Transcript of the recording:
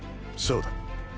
そうだ。